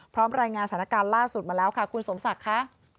รายงานสถานการณ์ล่าสุดมาแล้วค่ะคุณสมศักดิ์ค่ะ